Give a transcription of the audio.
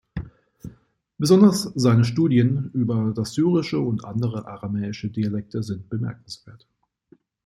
Besonders seine Studien über das Syrische und andere aramäische Dialekte sind bemerkenswert.